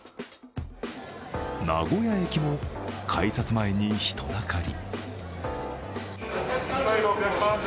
名古屋駅も改札前に人だかり。